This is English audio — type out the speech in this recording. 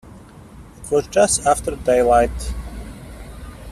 It was just after daylight.